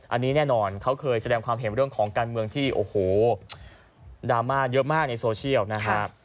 อันนี้แน่นอนเขาเคยแสดงความเห็นเรื่องของการเมืองที่โอ้โหดราม่าเยอะมากในโซเชียลนะครับ